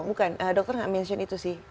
bukan dokter nggak mention itu sih